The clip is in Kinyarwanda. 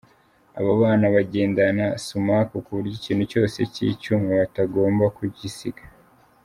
Abo bana bagendana Sumaku ku buryo ikintu cyose cy’icyuma batagomba kugisiga.